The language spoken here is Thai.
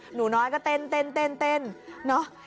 หนูน้อยก็เต้นเนาะ